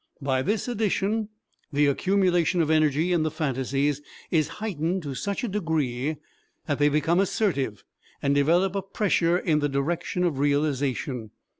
By this addition the accumulation of energy in the phantasies is heightened to such a degree that they become assertive and develop a pressure in the direction of realization.